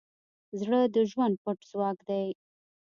زړه د ژوند پټ ځواک دی.